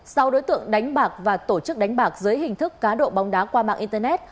sau đối tượng đánh bạc và tổ chức đánh bạc dưới hình thức cá độ bóng đá qua mạng internet